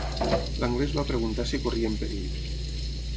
L'anglès va preguntar si corrien perill.